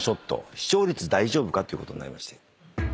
視聴率大丈夫か？っていうことになりまして。